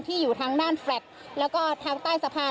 อยู่ทางด้านแฟลต์แล้วก็ทางใต้สะพาน